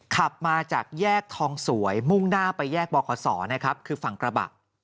ขับมาจากแยกทองสวยมุ่งหน้าไปแยกบขนะครับคือฝั่งกระบะ